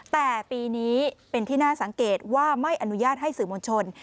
แต่ปีนี้เป็นที่น่าสังเกตว่าไม่อนุญาตให้สื่อมวลชน